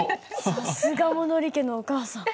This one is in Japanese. さすが物理家のお母さん。